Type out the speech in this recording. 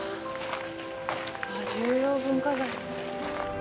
重要文化財。